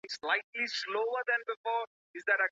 شريعت د نجونو حقونو ته پوره درناوی لري.